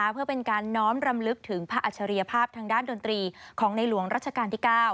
เพื่อเป็นการน้อมรำลึกถึงพระอัจฉริยภาพทางด้านดนตรีของในหลวงรัชกาลที่๙